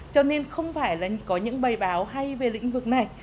cho nên không phải là có những bài báo hay về lĩnh vực này